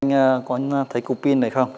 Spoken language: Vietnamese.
anh có thấy cục pin này không